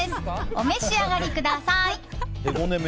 お召し上がりください。